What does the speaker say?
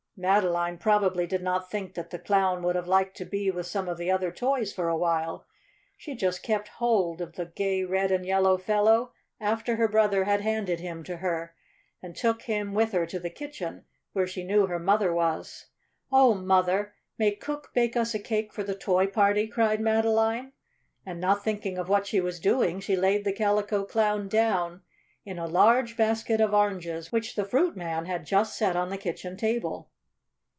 Madeline probably did not think that the Clown would have liked to be with some of the other toys for a while. She just kept hold of the gay red and yellow fellow after her brother had handed him to her, and took him with her to the kitchen, where she knew her mother was. "Oh, Mother! may Cook bake us a cake for the Toy Party?" cried Madeline, and, not thinking what she was doing, she laid the Calico Clown down in a large basket of oranges which the fruit man had just set on the kitchen table.